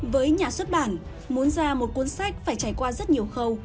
với nhà xuất bản muốn ra một cuốn sách phải trải qua rất nhiều khâu